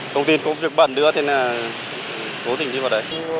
công ty công việc bẩn đưa thế này cố tình đi vào đấy